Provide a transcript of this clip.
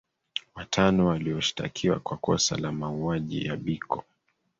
Watano walioshtakiwa kwa kosa la mauwaji ya Biko